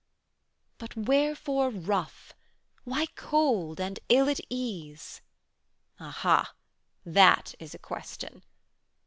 But wherefore rough, why cold and ill at ease? Aha, that is a question!